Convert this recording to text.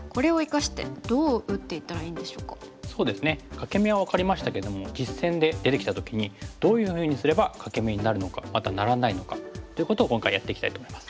欠け眼は分かりましたけども実戦で出てきた時にどういうふうにすれば欠け眼になるのかまたならないのか。ということを今回やっていきたいと思います。